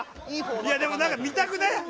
いやでも何か見たくない？